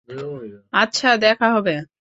আচ্ছা, দেখা হবে।